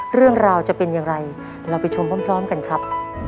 เรื่องราวจะเป็นอย่างไรเราไปชมพร้อมกันครับ